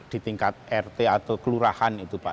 di tingkat rt atau kelurahan itu pak